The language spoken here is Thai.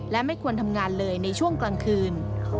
และไม่ควรทำงานเลยในช่วงกลางคืน